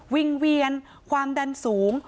งเวียนความดันสูง